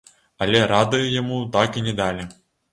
Але рады яму так і не далі.